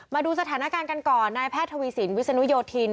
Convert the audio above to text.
มาดูสถานการณ์กันก่อนนายแพทย์ทวีสินวิศนุโยธิน